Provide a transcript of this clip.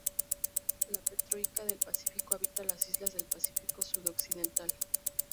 La petroica del Pacífico habita las islas del Pacífico sudoccidental.